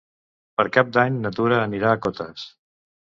Per Cap d'Any na Tura anirà a Cotes.